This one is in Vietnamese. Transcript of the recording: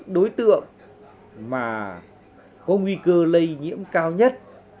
đối tượng mà có nguy cơ lây nhiễm cao nhất